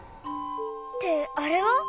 ってあれは？